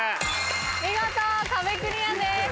見事壁クリアです。